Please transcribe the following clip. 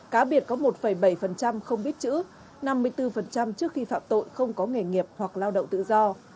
cá biệt có một bảy không biết chữ năm mươi bốn trước khi phạm tội không có nghề nghiệp hoặc lao động tự do